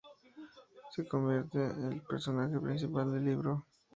Así se convierte en el personaje principal del libro.